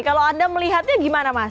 kalau anda melihatnya gimana mas